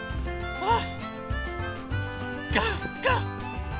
あっ！